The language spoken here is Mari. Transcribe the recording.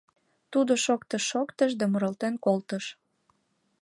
Тудо шоктыш-шоктыш да муралтен колтыш: